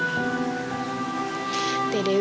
pokoknyaulate perasaan gue